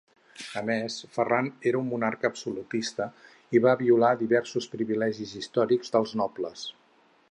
A més, Ferran era un monarca absolutista i va violar diversos privilegis històrics dels nobles.